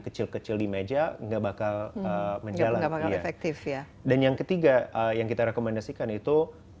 kecil kecil di meja nggak bakal menjalan nggak bakal efektif ya dan yang ketiga yang kita rekomendasikan itu